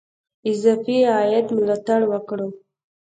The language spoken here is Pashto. اضافي عاید ملاتړ وکړو.